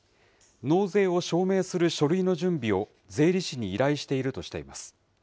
納税を証明する書類の準備を税理士に依頼しているとしています。